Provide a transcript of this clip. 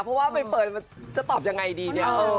เพราะว่าใบเฟิร์นจะตอบยังไงดีเนี่ย